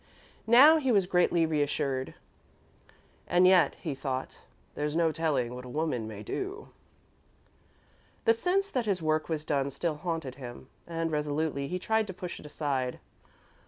Now he was greatly reassured. "And yet," he thought, "there's no telling what a woman may do." The sense that his work was done still haunted him, and, resolutely, he tried to push it aside.